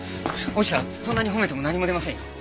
そんなに褒めても何も出ませんよ。